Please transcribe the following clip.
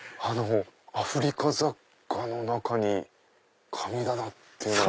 アフリカ雑貨の中に神棚っていうのは。